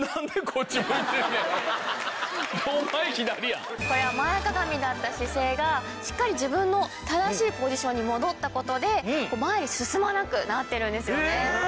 これは前屈みだった姿勢がしっかり自分の正しいポジションに戻った事で前に進まなくなってるんですよね。